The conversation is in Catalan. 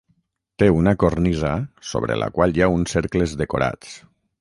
Té una cornisa sobre la qual hi ha uns cercles decorats.